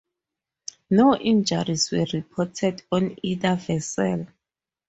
No injuries were reported on either vessel.